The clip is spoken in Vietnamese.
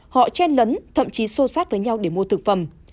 họ chen lấn thậm chí sô sát với nhau để mua thực phẩm